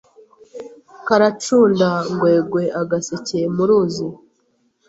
Karacunda ngwegweAgaseke mu ruzi